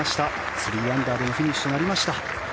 ３アンダーでのフィニッシュとなりました。